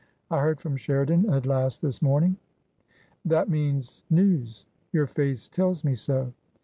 I heard from Sheridan at last this morning." That means news. Your face tells me so."